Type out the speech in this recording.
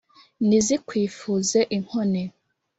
nizikwifuze inkone